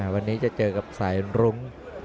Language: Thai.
วันนี้จะเจอกับสายรุ้ง